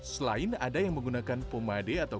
selain ada yang menggunakan pomade atau